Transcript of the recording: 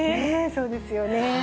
そうですよね。